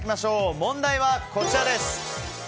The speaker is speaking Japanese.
問題はこちらです。